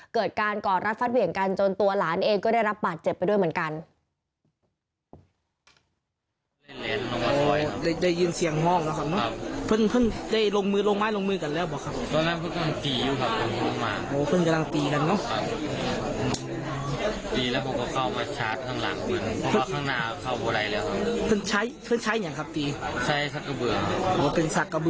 เกิดการกอดรัดฟัดเหวี่ยงกันจนตัวหลานเองก็ได้รับบาดเจ็บไปด้วยเหมือนกัน